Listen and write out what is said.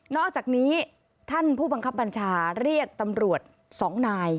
อกจากนี้ท่านผู้บังคับบัญชาเรียกตำรวจสองนาย